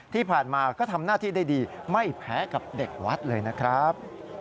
ที่ผ่านมาก็ทำหน้าที่ได้ดีไม่แพ้กับเด็กวัดเลยนะครับ